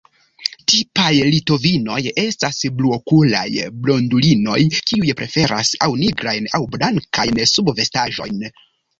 Tipaj litovinoj estas bluokulaj blondulinoj, kiuj preferas aŭ nigrajn aŭ blankajn subvestaĵojn.